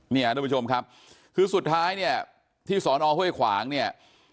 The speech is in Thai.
เนี่ยทุกผู้ชมครับคือสุดท้ายเนี่ยที่สอนอห้วยขวางเนี่ย